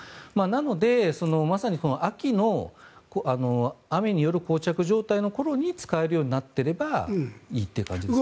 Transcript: なので、まさに秋の雨によるこう着状態の頃に使えるようになっていればいいという感じですね。